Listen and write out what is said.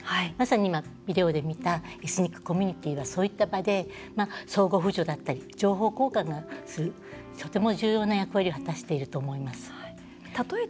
今、ビデオで見たエスニックコミュニティーがそういった場で相互扶助だったり情報交換するとても重要な役割を果たしていると思うんです。